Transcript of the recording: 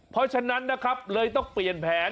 เพราะฉะนั้นนะครับเลยต้องเปลี่ยนแผน